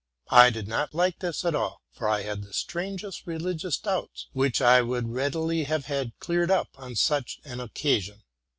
I did not like this at all; for I had the strangest religious doubts, which I would readily have had cleared up on such an occasion.